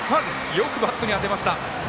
よくバットに当てました。